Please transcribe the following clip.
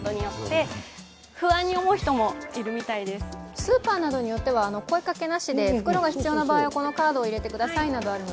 スーパーなどによっては、声かけなしで袋が必要な場合はこのカードを入れてくださいとかあります。